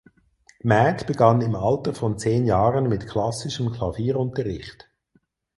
Matt begann im Alter von zehn Jahren mit klassischem Klavierunterricht.